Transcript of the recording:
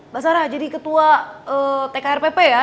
basarah jadi ketua tkrpp ya